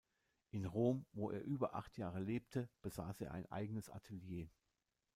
In Rom, wo er über acht Jahre lebte, besaß er ein eigenes Atelier.